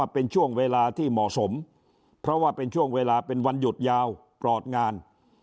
เป็นช่วงเวลาที่เหมาะสมเพราะว่าเป็นช่วงเวลาเป็นวันหยุดยาวปลอดงาน